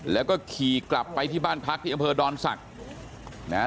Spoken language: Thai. แล้วก็ขี่กลับไปที่บ้านพักที่อำเภอดอนศักดิ์นะฮะ